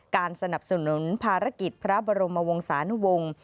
การสนับสนุนภารกิจพระบรมวงศานุวงศ์